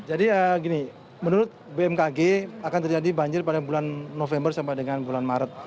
jadi gini menurut bmkg akan terjadi banjir pada bulan november sampai dengan bulan maret